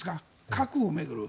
核を巡る。